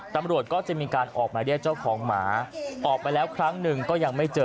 ตำรวจก็จะมีการออกหมายเรียกเจ้าของหมาออกไปแล้วครั้งหนึ่งก็ยังไม่เจอ